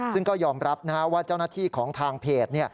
ซึ่งก็ยอมรับว่าเจ้าหน้าที่ของทางเพจ